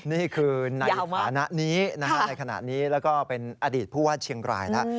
นี่คือในฐานะนี้แล้วก็เป็นอดีตผู้ว่าเชียงรายนะ